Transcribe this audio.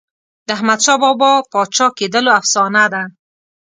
د احمدشاه بابا د پاچا کېدلو افسانه ده.